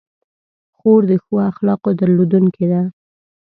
خور د ښو اخلاقو درلودونکې ده.